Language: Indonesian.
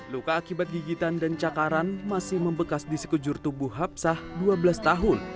luka akibat gigitan dan cakaran masih membekas di sekejur tubuh hapsah dua belas tahun